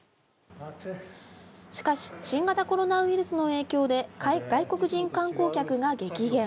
しかし新型コロナウイルスの影響で外国人観光客が激減。